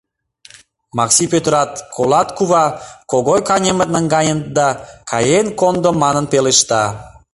Макси Пӧтырат, «колат, кува, Когой каньымыт наҥгаеныт да, каен кондо» манын пелешта.